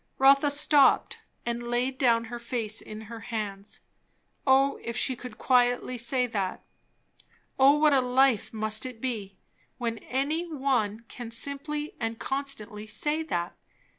Rotha stopped and laid down her face in her hands. O if she could quietly say that! O what a life must it be, when any one can simply and constantly say that!